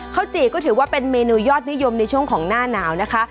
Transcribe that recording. จีก็ถือว่าเป็นเมนูยอดนิยมในช่วงของหน้าหนาวนะคะ